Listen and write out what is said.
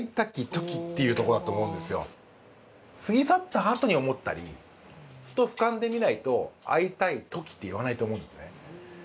過ぎ去ったあとに思ったりふとふかんで見ないと「逢いたいとき」って言わないと思うんですね。